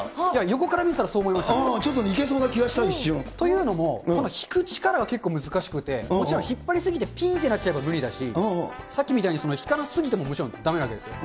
横から見てたらそう思いましちょっといけそうな気がした、というのも、この引く力が結構難しくて、もちろん引っ張り過ぎてぴんってなっちゃえば無理だし、さっきみたいにひかな過ぎてももちろんだめなわけですよ。